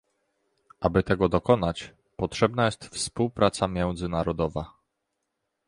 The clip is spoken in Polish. Aby tego dokonać, potrzebna jest współpraca międzynarodowa